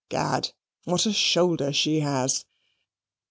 Gad, what a shoulder she has!